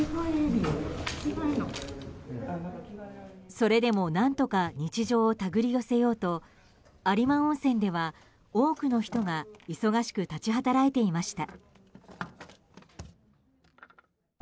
それでも何とか日常を手繰り寄せようと有馬温泉では多くの人が忙しく立ち働いていました。